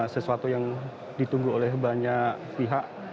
sesuatu yang ditunggu oleh banyak pihak